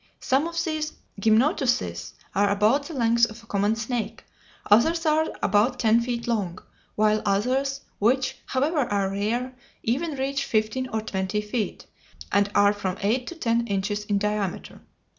Some of these gymnotuses are about the length of a common snake, others are about ten feet long, while others, which, however, are rare, even reach fifteen or twenty feet, and are from eight to ten inches in diameter.